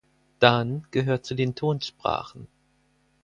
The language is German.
Dan gehört zu den Tonsprachen.